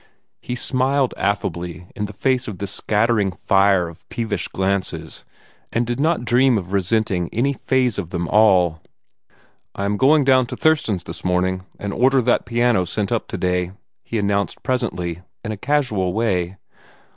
He smiled affably in the face of this scattering fire of peevish glances, and did not dream of resenting any phase of them all. "I am going down to Thurston's this morning, and order that piano sent up today," he announced presently, in a casual way.